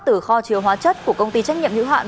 từ kho chiều hóa chất của công ty trách nhiệm nhữ hạn